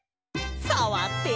さわって。